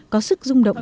có sức rung động